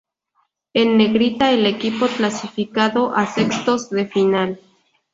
En negrita el equipo clasificado a sextos de final.